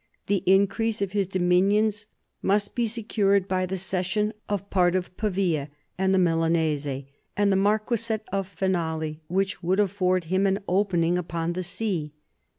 The increase of his dominions must be secured by the cession of part of Pavia and the Milanese, and the marquisate of Finale which would afford him an opening upon the sea.